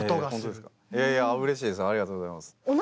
いやいやうれしいですありがとうございます。